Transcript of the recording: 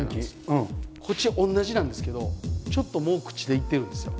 こっち同じなんですけどちょっともう朽ちていってるんですよ。